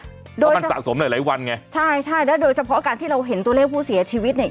เพราะมันสะสมหลายหลายวันไงใช่ใช่แล้วโดยเฉพาะการที่เราเห็นตัวเลขผู้เสียชีวิตเนี่ย